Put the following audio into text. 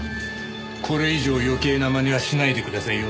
これ以上余計な真似はしないでくださいよ。